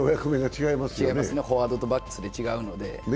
違いますね、フォワードとバックスで違いますので。